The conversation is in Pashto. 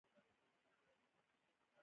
کوږ زړه انصاف نه پېژني